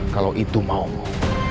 kalau itu mau